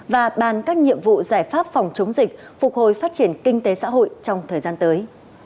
và bàn các nhiệm vụ giải pháp phòng chống dịch phục hồi phát triển kinh tế xã hội trong thời gian tới